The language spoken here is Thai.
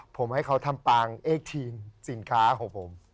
ผมให้เขาทำปางเอทีนสินค้าของผม